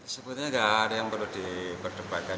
sebutnya gak ada yang perlu diperdepankan